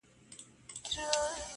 نن دي جهاني لکه پانوس لمبه، لمبه وینم !